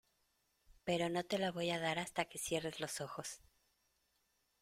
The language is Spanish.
pero no te la voy a dar hasta que cierres los ojos.